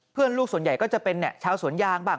ลูกส่วนใหญ่ก็จะเป็นชาวสวนยางบ้าง